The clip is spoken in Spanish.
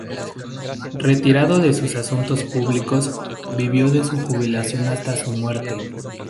Retirado de sus asuntos públicos vivió de su jubilación hasta su muerte.